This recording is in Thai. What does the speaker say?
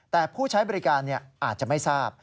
แต่ผู้ใช้บริการอาจจะไม่ทราบ